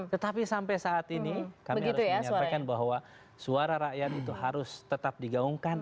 tetapi sampai saat ini kami harus menyampaikan bahwa suara rakyat itu harus tetap digaungkan